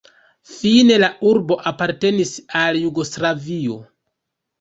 Fine la urbo apartenis al Jugoslavio.